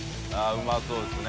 △うまそうですね。